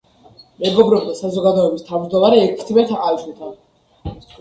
მეგობრობდა საზოგადოების თავმჯდომარე ექვთიმე თაყაიშვილთან.